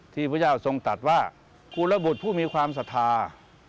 ที่พระเจ้าทรงตัดว่าคุณละบุตรผู้มีความสัทธา